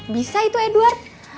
bisa itu edward